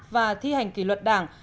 và thi hành kỷ luật đảng